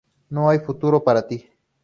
No hay futuro para ti.